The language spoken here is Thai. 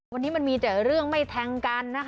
วันนี้มันมีแต่เรื่องไม่แทงกันนะคะ